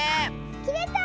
きれた！